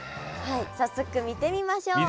早速見てみましょう。